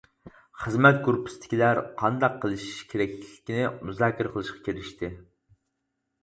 خىزمەت گۇرۇپپىسىدىكىلەر قانداق قىلىش كېرەكلىكىنى مۇزاكىرە قىلىشقا كىرىشتى.